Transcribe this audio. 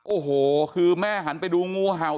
โอ้โหคือแม่หันไปดูงูเห่า